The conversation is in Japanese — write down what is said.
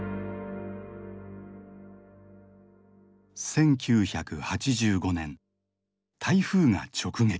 １９８５年台風が直撃。